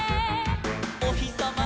「おひさま